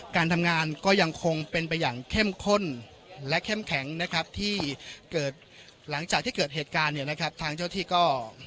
การทำงานก็ยังคงเป็นไปอย่างเข้มข้นและเข้มแข็งนะครับที่เกิดหลังจากที่เกิดเหตุการณ์เนี่ยนะครับทางเจ้าที่ก็